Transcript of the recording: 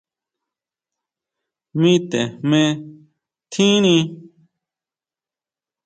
Mi te jme tjini.